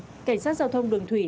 cảnh sát giao thông đường thủy